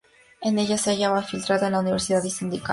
En ellas se hallaban infiltrados en las universidades y sindicatos.